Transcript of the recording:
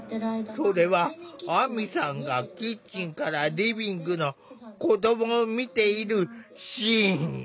それは亜美さんがキッチンからリビングの子どもを見ているシーン。